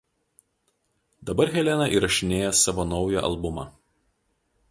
Dabar Helena įrašinėja savo naują albumą.